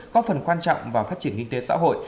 có phần quan trọng vào phát triển kinh tế xã hội